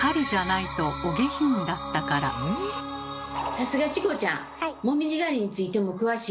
さすがチコちゃん！